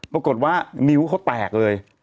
ปรากฏว่านิ้วเขาแตกเลย